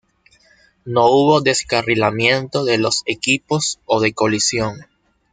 No hubo descarrilamiento de los equipos o de colisión.